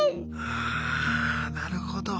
ああなるほど。